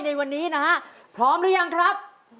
ในวันนี้นะฮะพร้อมหรือยังครับ